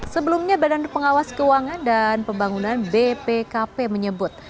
sebelumnya badan pengawas keuangan dan pembangunan bpkp menyebut